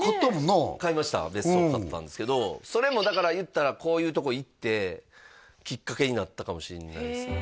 買いました別荘買ったんですけどそれもだからいったらこういうとこ行ってきっかけになったかもしれないですね